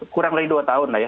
kurang dari dua tahun lah ya